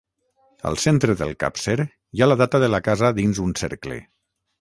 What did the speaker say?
Al centre del capcer hi ha la data de la casa dins un cercle.